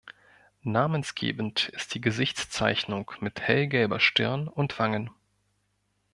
Namensgebend ist die Gesichtszeichnung mit hellgelber Stirn und Wangen.